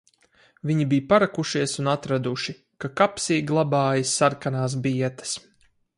Viņi bija parakušies un atraduši, ka kapsī glabājas sarkanās bietes.